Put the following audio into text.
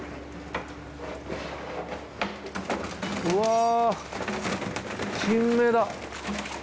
うわ！